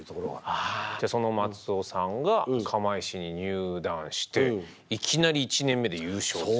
その松尾さんが釜石に入団していきなり１年目で優勝ですよ。